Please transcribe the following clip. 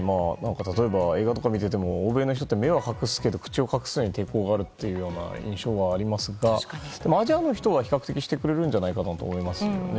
例えば、映画とか見ていても欧米の人って目は隠すけど口を隠すのに抵抗があるという印象はありますがアジアの人は比較的してくれるんじゃないかなと思いますね。